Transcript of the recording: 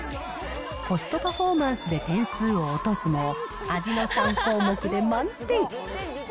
コストパフォーマンスで点数を落とすも、味の３項目で満点。